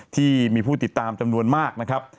ที่มีผู้ติดตามจำนวนมากนะครับ